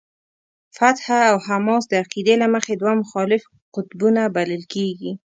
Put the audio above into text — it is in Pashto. فتح او حماس د عقیدې له مخې دوه مخالف قطبونه بلل کېږي.